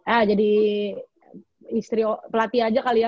eh jadi istri pelatih aja kali ya